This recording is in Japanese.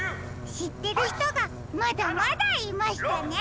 しってるひとがまだまだいましたね。